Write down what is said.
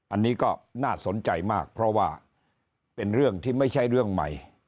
อันนี้ก็น่าสนใจมากเพราะว่าเป็นเรื่องที่ไม่ใช่เรื่องใหม่